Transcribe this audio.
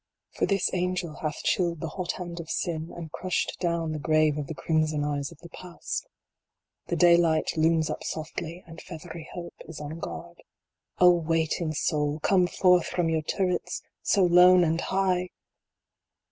For this Angel hath chilled the hot hand of Sin, and crushed down the grave of the crimson eyes of the Past The daylight looms up softly, and feathery Hope is on guard. O waiting Soul, come forth from your turrets, so lone and high!